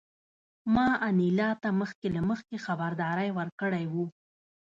ما انیلا ته مخکې له مخکې خبرداری ورکړی و